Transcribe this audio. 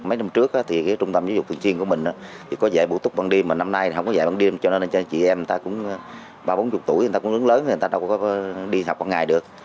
mấy năm trước thì cái trung tâm giáo dục thường chiên của mình thì có dạy bộ túc bằng đi mà năm nay thì không có dạy bằng đi cho nên là cho chị em người ta cũng ba bốn mươi tuổi người ta cũng lớn lớn người ta đâu có đi học bằng ngày được